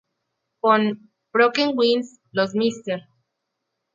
Con "Broken Wings", los Mr.